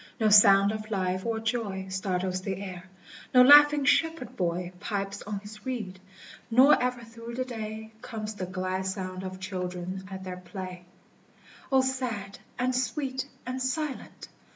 no sound of life or joy Startles the air; no laughing shepherd boy Pipes on his reed, nor ever through the day Comes the glad sound of children at their play : O sad, and sweet, and silent